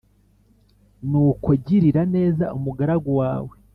Nuko girira neza umugaragu wawe